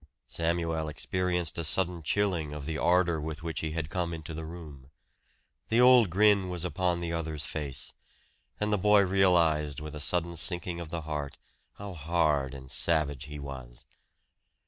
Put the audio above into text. Samuel experienced a sudden chilling of the ardor with which he had come into the room. The old grin was upon the other's face; and the boy realized with a sudden sinking of the heart how hard and savage he was.